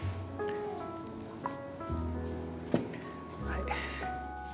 はい。